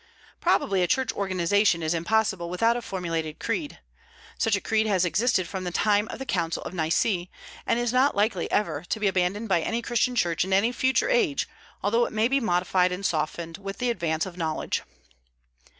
Probably a church organization is impossible without a formulated creed. Such a creed has existed from the time of the Council of Nice, and is not likely ever to be abandoned by any Christian Church in any future age, although it may be modified and softened with the advance of knowledge.